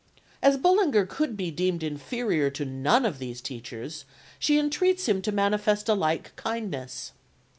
As Bullinger could be deemed inferior to none of these teachers, she entreats him to manifest a like kindness.